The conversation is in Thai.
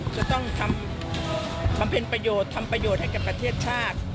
จะต้องทำทำเพิ่มประโยชน์ทำประโยชน์ให้กับกันเมืองชาติ